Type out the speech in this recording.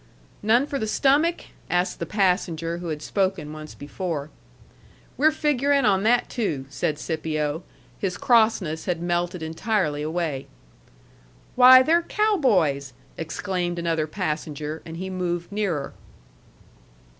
"None for the stomach?" asked the passenger who had spoken once before. "We're figuring on that too," said Scipio. His crossness had melted entirely away. "Why, they're cow boys!" exclaimed another passenger; and he moved nearer.